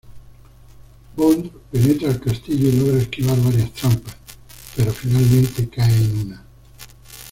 Bond penetra el castillo y logra esquivar varias trampas, pero finalmente cae en una.